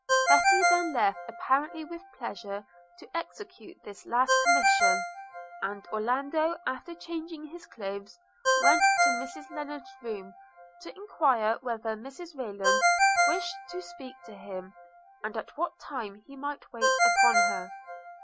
Betty then left apparently with pleasure to execute this last commission; and Orlando, after changing his clothes, went to Mrs Lennard's room, to enquire whether Mrs Rayland wished to speak to him, and at what time he might wait upon her.